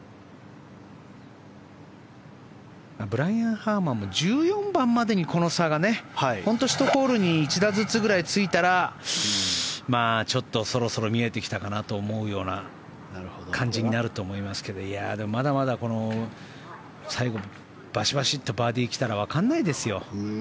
ブライアン・ハーマンも１４番までにこの差が、１ホールに１打ずつぐらいついたらちょっとそろそろ見えてきたかなと思うような感じになると思いますけどいやあ、でもまだまだ最後、バシバシッとバーディーが来たらわからないですよ。